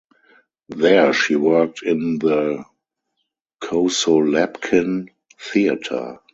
There she worked in the Kosolapkin theater.